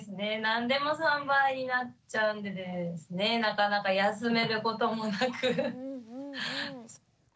何でも３倍になっちゃうんでなかなか休めることもなく頑張ってます。